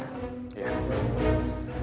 kamu gak usah khawatir soal itu